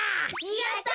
やった！